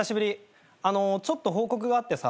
あのちょっと報告があってさ